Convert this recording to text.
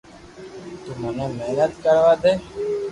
تو مني محنت ڪروا ديو